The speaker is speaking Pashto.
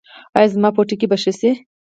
ایا زما پوټکی به ښه شي؟